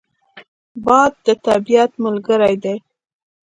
باد د طبیعت ملګری دی